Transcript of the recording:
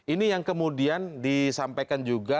ini yang kemudian disampaikan juga